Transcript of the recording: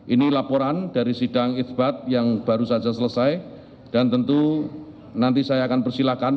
ini laporan dari sidang isbat yang baru saja selesai dan tentu nanti saya akan persilakan